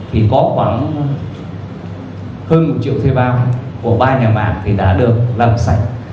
thì có khoảng hơn một triệu thê bào của ba nhà mạng đã được làm sạch